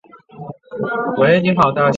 德美关系是指德国和美国间的外交关系。